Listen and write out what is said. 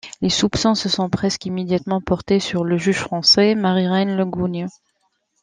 Les soupçons se sont presque immédiatement portés sur le juge français, Marie-Reine Le Gougne.